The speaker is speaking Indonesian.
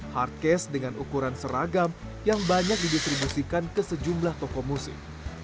hardcase dengan ukuran seragam yang banyak didistribusikan ke sejumlah toko musik